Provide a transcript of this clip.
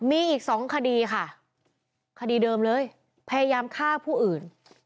มีอีกสองคดีค่ะคดีเดิมเลยพยายามฆ่าผู้อื่น